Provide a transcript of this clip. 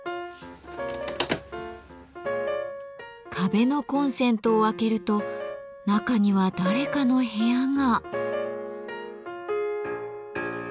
壁のコンセントを開けると中には誰かの部屋が。